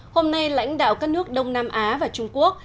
hôm nay lãnh đạo các nước đông nam á và trung quốc